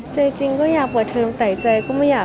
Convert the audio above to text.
ใจจริงก็อยากเปิดเทอมแต่ใจก็ไม่อยาก